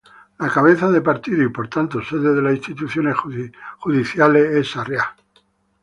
La cabeza de partido y por tanto sede de las instituciones judiciales es Sarria.